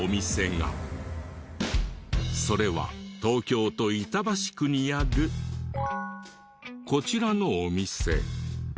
それは東京都板橋区にあるこちらのお店。